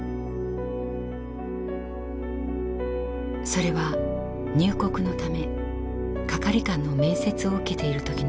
それは入国のため係官の面接を受けている時のことでした。